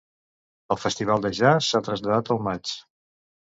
El Festival de Jazz s'ha traslladat al maig.